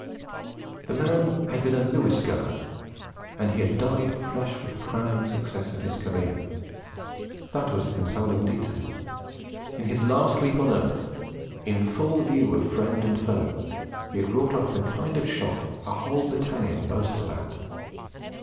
The man had been a Lewis gunner, and he had died flushed with the crowning success of his career. That was the consoling detail: in his last week on earth, in full view of friend and foe, he had brought off the kind of shot a whole battalion boasts about.